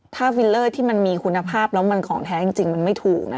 ถ้าฟิลเลอร์ที่มันมีคุณภาพแล้วมันของแท้จริงมันไม่ถูกนะ